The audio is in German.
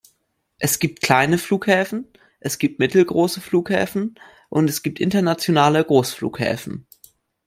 Es gibt kleine Flughäfen, es gibt mittelgroße Flughäfen und es gibt internationale Großflughäfen.